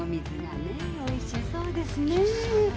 おいしそうですねぇ。